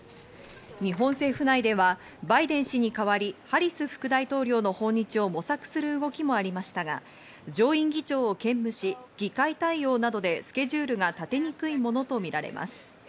日本政府内ではバイデン氏に代わり、ハリス副大統領の訪日を模索する動きもありましたが上院議長を兼務し、議会対応などでスケジュールが立てにくいものとみられます。